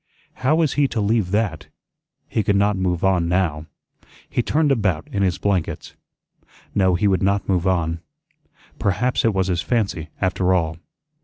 How was he to leave that? He could not move on now. He turned about in his blankets. No, he would not move on. Perhaps it was his fancy, after all.